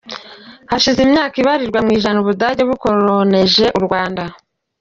Hashize imyaka ibarirwa mu ijana u Budage bukoronije u Rwanda.